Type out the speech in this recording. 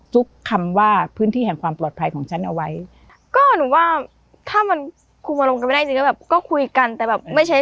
ซุกคำว่าพื้นที่แห่งความปลอดภัยของฉันเอาไว้